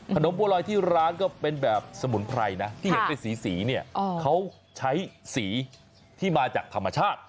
บัวลอยที่ร้านก็เป็นแบบสมุนไพรนะที่เห็นเป็นสีเนี่ยเขาใช้สีที่มาจากธรรมชาติ